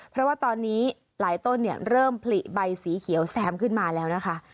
เพราะว่าตอนนี้หลายต้นเริ่มผลิใบสีเขียวแซมขึ้นมาแล้วนะคะ